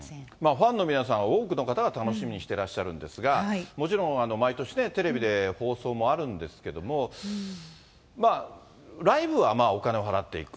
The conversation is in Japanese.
ファンの皆さんは、多くの方が楽しみにしていらっしゃるんですが、もちろん、毎年ね、テレビで放送もあるんですけども、ライブはお金を払っていく。